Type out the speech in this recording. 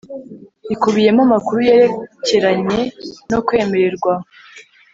ikubiyemo amakuru yerekeranye no kwemererwa